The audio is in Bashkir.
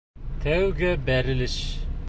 ТӘҮГЕ БӘРЕЛЕШ